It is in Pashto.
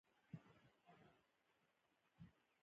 په سپينو زرو کې د نصاب اندازه دوه پنځوس نيمې تولې ده